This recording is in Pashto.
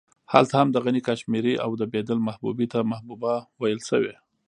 هلته هم د غني کاشمېري او د بېدل محبوبې ته محبوبه ويل شوې.